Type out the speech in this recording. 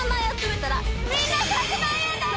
みんな１００万円だよ！